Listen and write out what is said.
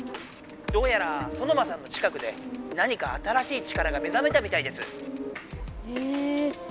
どうやらソノマさんの近くで何か新しい力が目ざめたみたいです。へ気づかなかったな。